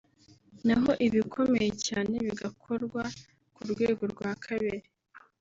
naho ibikomeye cyane bigakorwa ku rwego rwa kabiri